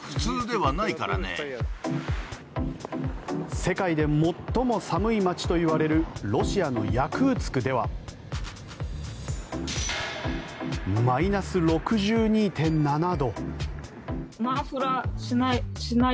世界で最も寒い街といわれるロシアのヤクーツクではマイナス６２．７度。